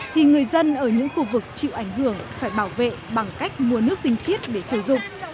thì người dân ở những khu vực chịu ảnh hưởng phải bảo vệ bằng cách mua nước tinh khiết để sử dụng